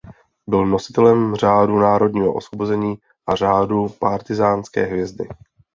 Byl nositelem Řádu národního osvobození a Řádu partyzánské hvězdy.